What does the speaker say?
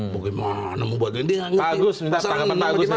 bagaimana membuat gini ini nggak ngerti